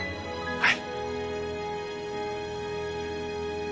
はい。